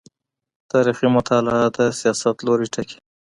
تاريخي مطالعه د سياست لوری ټاکي.